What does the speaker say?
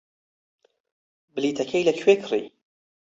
بلیتەکەی لەکوێ کڕی؟